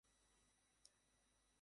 কিতাবীদের গ্রন্থাদিতে এরূপ বিবরণ রয়েছে।